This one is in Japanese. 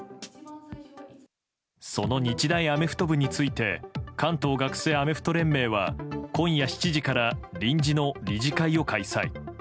その日大アメフト部について関東学生アメフト連盟は今夜７時から臨時の理事会を開催。